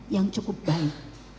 yang cukup baik